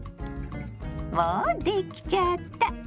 もうできちゃった。